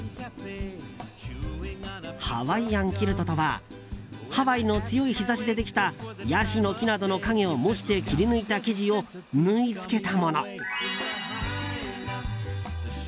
ハワイアンキルトとはハワイの強い日差しでできたヤシの木などの影を模して切り抜いた生地を縫い付けたもの。